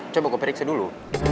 coba gue periksa dulu